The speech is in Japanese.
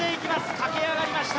駆け上がりました。